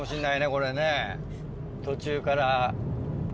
これね途中から。